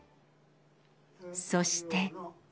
そして。